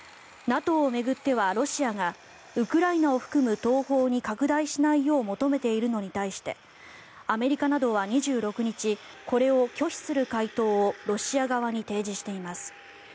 ＮＡＴＯを巡ってはロシアがウクライナを含む東方に拡大しないよう求めているのに対してアメリカなどは２６日これを拒否する回答をロシア側に提示しています。